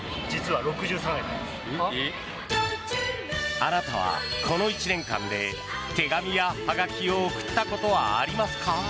あなたはこの１年間で手紙やはがきを送ったことはありますか？